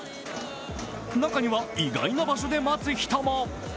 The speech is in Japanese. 中には意外な場所で待つ人も。